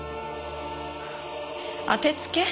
当てつけ？